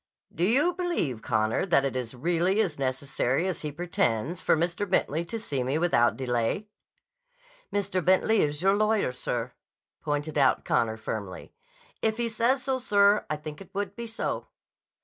"Do you believe, Connor, that it is really as necessary as he pretends for Mr. Bentley to see me without delay?" "Mr. Bentley is your lawyer, sir," pointed out Connor firmly. "If he says so, sir, I think it would be so."